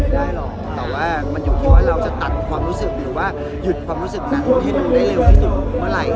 แต่ว่ามันอยู่ที่เราจะตัดความรู้สึกหรือว่าหยุดความรู้สึกนักหรือถึงได้เร็วที่สุดเมื่อไหร่